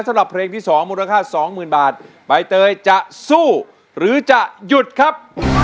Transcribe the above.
อ้าวสำหรับเพลงที่๒มูลค่า๒๐๐๐๐บาทใบเตยจะสู้หรือจะหยุดครับ